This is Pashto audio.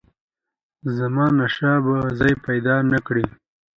زمانشاه به ځای پیدا نه کړي.